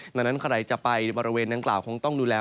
ดังนั้นใครจะไปบริเวณนางกล่าวคงต้องดูแล